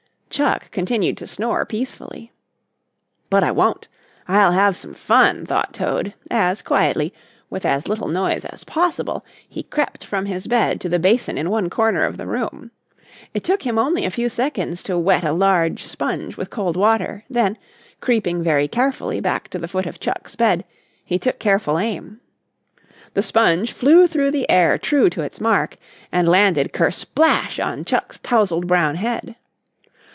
Chuck continued to snore peacefully. "But I won't I'll have some fun," thought Toad, as quietly, with as little noise as possible, he crept from his bed to the basin in one corner of the room. It took him only a few seconds to wet a large sponge with cold water, then, creeping very carefully back to the foot of Chuck's bed, he took careful aim. The sponge flew through the air true to its mark and landed "kersplash" on Chuck's tousled brown head.